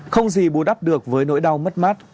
không gì bù đắp được với nỗi đau mất mát